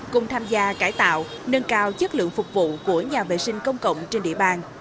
cùng tham gia cải tạo nâng cao chất lượng phục vụ của nhà vệ sinh công cộng trên địa bàn